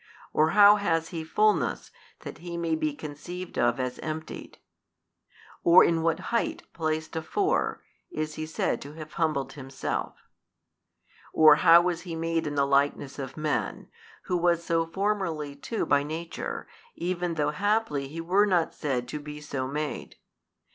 or how has he fulness that he may be conceived of as emptied? or in what height placed afore, is he said to have humbled himself? or how was he made in the likeness of men, who was so formerly too by nature, even though haply he were not said to be so made?